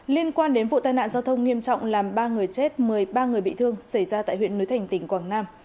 liên quan đến vụ tai nạn giao thông nghiêm trọng làm ba người chết một mươi ba người bị thương xảy ra tại huyện núi thành tỉnh quảng nam